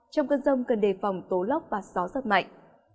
trong cơn rông cần đề phòng tố lóc và gió rất mạnh